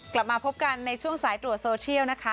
กลับมาพบกันในช่วงสายตรวจโซเชียลนะคะ